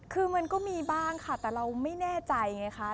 คือมันก็มีบ้างค่ะแต่เราไม่แน่ใจไงคะ